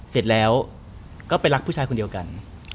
เสร็จแล้วก็ไปรักผู้ชายคนเดียวกัน